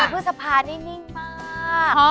เดือนพฤษภานี่นิ่งมาก